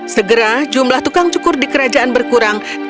segera jumlah tukang cukur di kerajaan berkurang